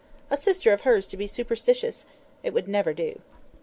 A sister of hers to be superstitious! It would never do.